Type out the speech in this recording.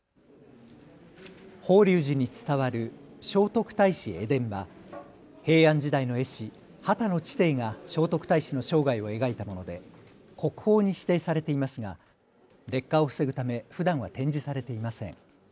法隆寺に伝わる聖徳太子絵伝は平安時代の絵師、秦致貞が聖徳太子の生涯を描いたもので国宝に指定されていますが劣化を防ぐためふだんは展示されていません。